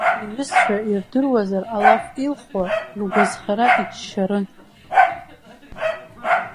Иҩызцәа ирдыруазар, алаф илхуа, ргәазхара иччарын.